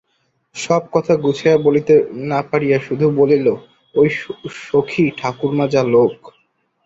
সব কথা গুছাইয়া বলিতে না পারিয়া শুধু বলিল, ওই সখী ঠাকুরমা যা লোক!